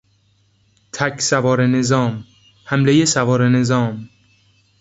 تک سواره نظام، حملهی سواره نظام